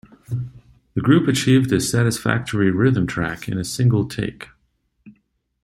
The group achieved a satisfactory rhythm track in a single take.